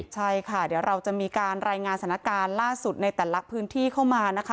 ใช่ค่ะเดี๋ยวเราจะมีการรายงานสถานการณ์ล่าสุดในแต่ละพื้นที่เข้ามานะคะ